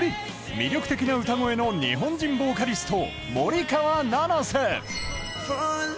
魅力的な歌声の日本人ボーカリスト